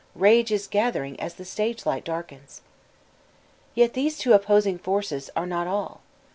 Rage is gathering as the stage light darkens! Yet these two opposing forces are not all.